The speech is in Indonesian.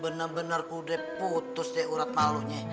bener bener gue udah putus deh urat malunya